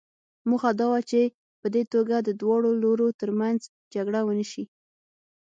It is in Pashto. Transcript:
موخه دا وه چې په دې توګه د دواړو لورو ترمنځ جګړه ونه شي.